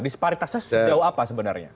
disparitasnya sejauh apa sebenarnya